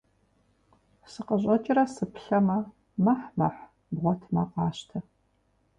Сыкъыщӏэкӏрэ сыплъэмэ, мэхь-мэхь, бгъуэтмэ къащтэ.